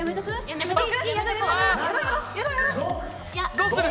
どうする？